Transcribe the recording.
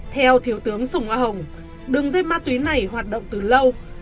theo thiếu tướng sùng a hồng đường dây ma túy này hoạt động từ lâu